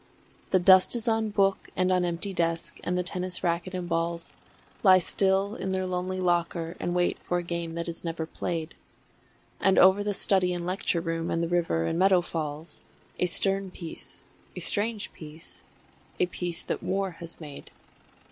The dust is on book and on empty desk, and the tennis racquet and balls Lie still in their lonely locker and wait for a game that is never played, And over the study and lecture room and the river and meadow falls A stern peace, a strange peace, a peace that War has made.